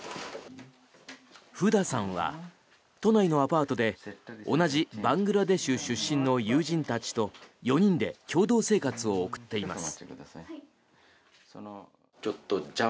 フダさんは都内のアパートで同じバングラデシュ出身の友人たちと４人で共同生活を送っています。